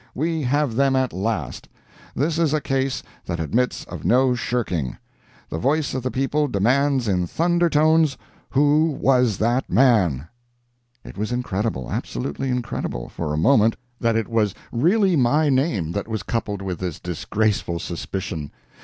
We have them at last! This is a case that admits of no shirking. The voice of the people demands in thunder tones, "WHO WAS THAT MAN?" It was incredible, absolutely incredible, for a moment, that it was really my name that was coupled with this disgraceful suspicion.